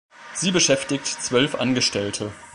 Sie beschäftigt zwölf Angestellte.